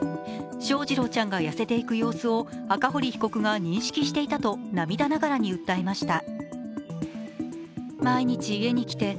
翔士郎ちゃんが痩せていく様子を赤堀被告が認識していたと涙ながらに訴えました。